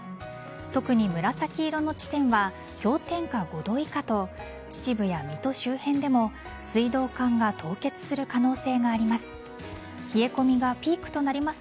特に紫色の地点は氷点下５度以下と秩父や水戸周辺でも水道管が凍結する可能性があります。